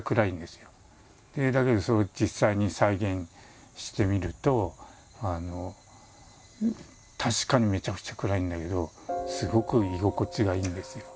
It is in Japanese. だけど実際に再現してみると確かにめちゃくちゃ暗いんだけど文もちろん書くこともできるし。